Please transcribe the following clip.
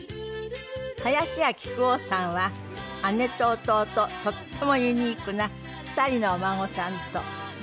林家木久扇さんは姉と弟とってもユニークな２人のお孫さんと。